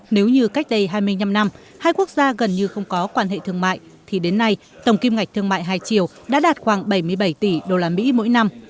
nếu như cách đây hai mươi năm năm hai quốc gia gần như không có quan hệ thương mại thì đến nay tổng kim ngạch thương mại hai triệu đã đạt khoảng bảy mươi bảy tỷ usd mỗi năm